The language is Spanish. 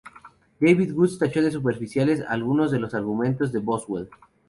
David Woods tachó de superficiales algunos de los argumentos de Boswell.